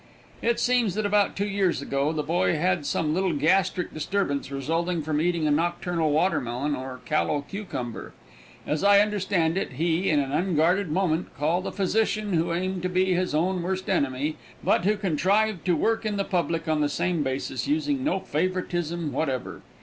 It seems that about two years ago the boy had some little gastric disturbance resulting from eating a nocturnal watermelon or callow cucumber. As I understand it, he, in an unguarded moment, called a physician who aimed to be his own worst enemy, but who contrived to work in the public on the same basis, using no favoritism whatever.